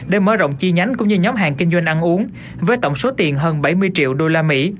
để mở rộng chi nhánh cũng như nhóm hàng kinh doanh ăn uống với tổng số tiền hơn bảy mươi triệu usd